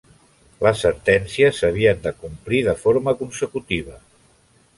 Les sentències s'havien de complir de forma consecutiva.